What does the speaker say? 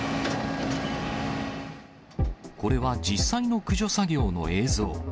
これは実際の駆除作業の映像。